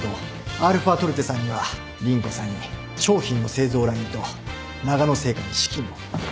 αトルテさんには凛子さんに商品の製造ラインとながの製菓に資金を。